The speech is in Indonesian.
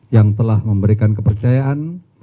yang telah memberikan kepercayaan